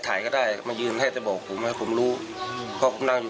ถ่ายก็ได้มันยืนให้แต่บอกผมให้ผมรู้พอผมนั่งอยู่